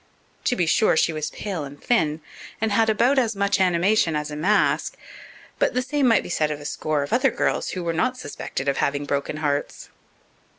To be sure, she was pale and thin, and had about as much animation as a mask, but the same might be said of a score of other girls who were not suspected of having broken hearts.